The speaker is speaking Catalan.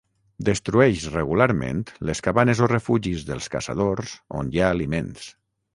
Destrueix regularment les cabanes o refugis dels caçadors on hi ha aliments.